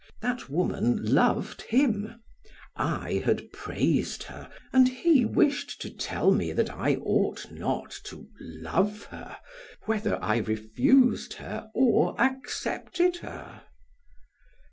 That woman loved him, I had praised her and he wished to tell me that I ought not to love her, whether I refused her or accepted her.